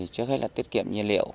trước hết là tiết kiệm nhiên liệu